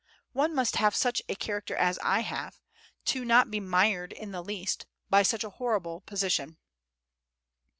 One must have such a character as I have, not to be mired in the least by such a horrible position."